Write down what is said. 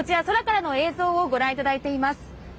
空からの映像をご覧いただいています。